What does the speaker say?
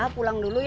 pulang dulu ya